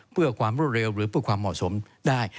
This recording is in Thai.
เพื่อความรวดเร็วหรือเพื่อความเหมาะสมได้